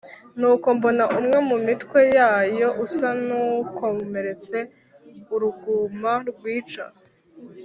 Nuko mbona umwe mu mitwe yayo usa n’ukomeretse uruguma rwica